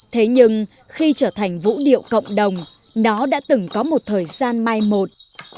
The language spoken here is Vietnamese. thế nhưng khi trở thành vũ điệu cộng đồng nó đã từng có một thời gian mai một